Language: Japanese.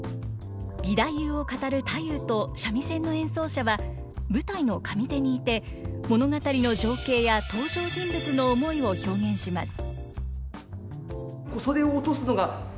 義太夫を語る太夫と三味線の演奏者は舞台の上手にいて物語の情景や登場人物の思いを表現します。